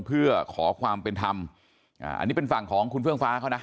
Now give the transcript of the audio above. เพื่อขอความเป็นธรรมอ่าอันนี้เป็นฝั่งของคุณเฟื่องฟ้าเขานะ